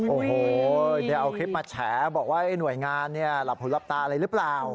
โอ้โหเดี๋ยวเอาคลิปมาแชร์บอกว่าไอ้หน่วยงานเนี่ยหลับผู้รับตาอะไรหรือเปล่า